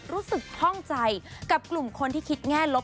ข้องใจกับกลุ่มคนที่คิดแง่ลบ